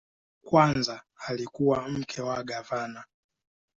Kwanza alikuwa mke wa gavana.